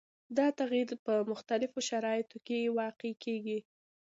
دا تغیر په مختلفو شرایطو کې واقع کیږي.